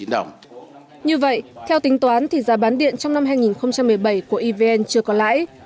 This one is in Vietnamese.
như vậy theo tính toán thì giá bán điện trong năm hai nghìn một mươi bảy của evn chưa có lãi